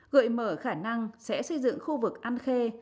gợi mở khả năng sẽ xây dựng khu vực an khê